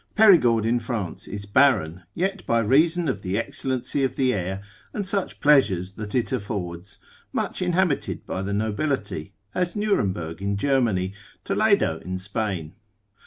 Perigord in France is barren, yet by reason of the excellency of the air, and such pleasures that it affords, much inhabited by the nobility; as Nuremberg in Germany, Toledo in Spain.